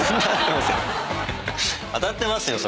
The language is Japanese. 当たってますよ。